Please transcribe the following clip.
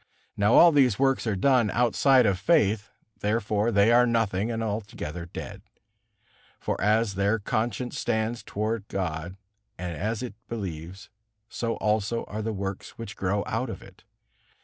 Now all these works are done outside of faith, therefore they are nothing and altogether dead. For as their conscience stands toward God and as it believes, so also are the works which grow out of it.